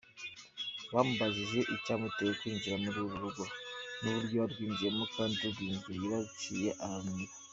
Bamubajije icyamuteye kwinjira muri uru rugo n’uburyo yarwinjiyemo kandi rurinzwe, yararuciye ararumira.